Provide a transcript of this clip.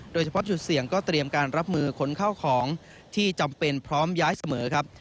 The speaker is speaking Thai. โดยเฉพาะจุดเสี่ยงก็เตรียมการรับมือขนเข้าของที่จำเป็นพร้อมย้ายเสมอครับ